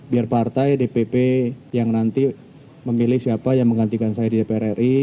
biar partai dpp yang nanti memilih siapa yang menggantikan saya di dpr ri